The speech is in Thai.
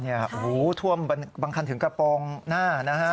โอ้โหท่วมบางคันถึงกระโปรงหน้านะฮะ